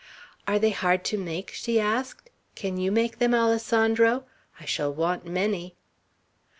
"Are they hard to make?" she asked. "Can you make them, Alessandro? I shall want many."